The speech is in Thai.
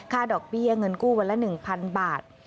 ดอกเบี้ยเงินกู้วันละ๑๐๐๐บาท